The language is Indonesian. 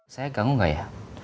saya ganggu gak ya